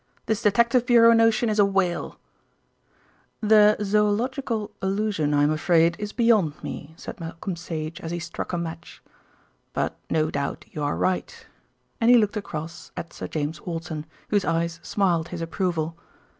"This Detective Bureau notion is a whale." "The zoological allusion, I'm afraid, is beyond me," said Malcolm Sage as he struck a match, "but no doubt you are right," and he looked across at Sir James Walton, whose eyes smiled his approval.